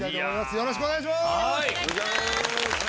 よろしくお願いします。